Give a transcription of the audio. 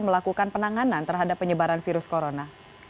melakukan penanganan terhadap penyebaran virus corona